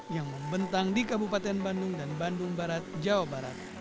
yang membentang di kabupaten bandung dan bandung barat jawa barat